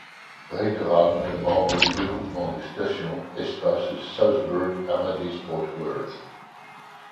Reiteralm est membre du regroupement de stations Espace Salzburg Amadé Sport World.